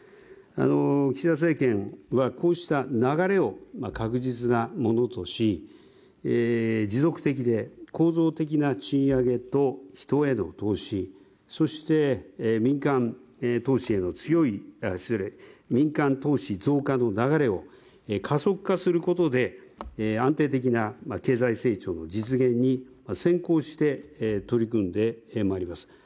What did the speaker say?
岸田政権はこうした流れを確実なものとし、持続的で構造的な賃上げと人への投資、そして、民間投資増加の流れを加速化することで安定的な経済成長の実現に先行して取り組んでまいります。